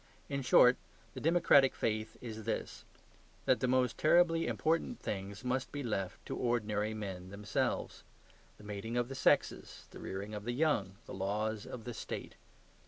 In short, the democratic faith is this: that the most terribly important things must be left to ordinary men themselves the mating of the sexes, the rearing of the young, the laws of the state.